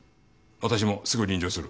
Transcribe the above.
私もすぐ臨場する。